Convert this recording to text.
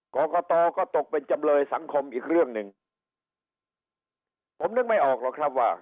กรกตก็ตกเป็นจำเลยสังคมอีกเรื่องหนึ่งผมนึกไม่ออกหรอกครับว่า